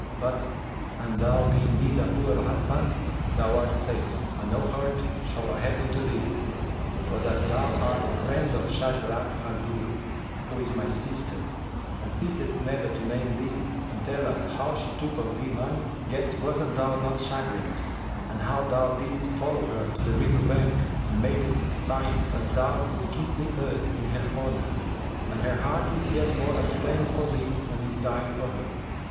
But, an thou be indeed Abu al Hasan, thou art safe and no hurt shall happen to thee, for that thou art the friend of Shajarat al Durr, who is my sister and ceaseth never to name thee and tell us how she took of thee money, yet wast thou not chagrined, and how thou didst follow her to the river bank and madest sign as thou wouldst kiss the earth in her honour; and her heart is yet more aflame for thee than is thine for her.